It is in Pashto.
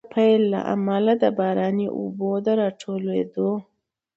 د پيل له امله، د باراني اوبو د راټولېدو